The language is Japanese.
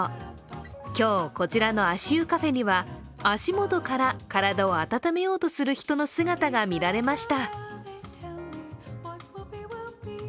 今日、こちらの足湯カフェには足元から体を温めようとする人の姿が見られました。